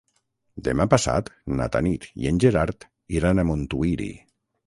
Demà passat na Tanit i en Gerard iran a Montuïri.